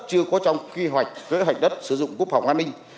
chưa có trong kỳ hoạch kỳ hoạch đất sử dụng quốc phòng an ninh